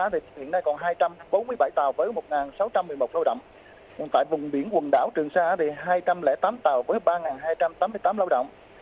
và tại vùng biển quảng ngãi thì còn một trăm bốn mươi bảy tàu với chín trăm một mươi một lao động